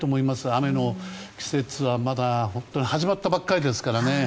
雨の季節はまだ始まったばかりですからね。